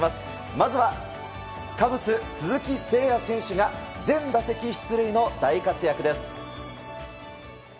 まずはカブス、鈴木誠也選手が全打席出塁の大活躍です。